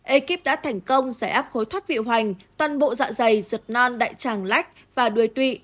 ekip đã thành công giải áp hối thoát vị hoành toàn bộ dạ dày ruột non đại tràng lách và đuôi tụy